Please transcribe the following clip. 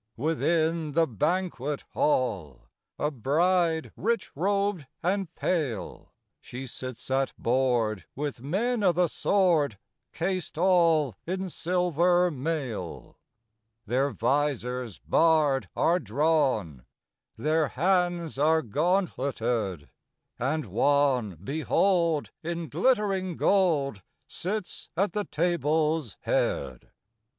Within the banquet hall, A bride, rich robed and pale, She sits at board with men o' the sword Cased all in silver mail. Their visors barred are drawn; Their hands are gauntletéd; And one, behold! in glittering gold Sits at the table's head.